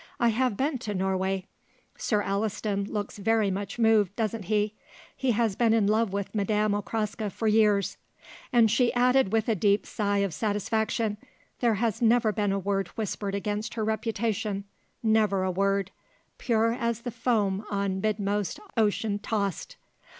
I have been to Norway. Sir Alliston looks very much moved, doesn't he? He has been in love with Madame Okraska for years." And she added with a deep sigh of satisfaction: "There has never been a word whispered against her reputation; never a word 'Pure as the foam on midmost ocean tossed.'"